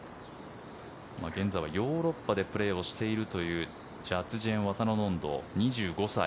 現在はヨーロッパでプレーしているというジャズ・ジェーンワタナノンド２５歳。